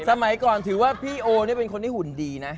สมัยก่อนถือว่าพี่โอนี่เป็นคนที่หุ่นดีนะ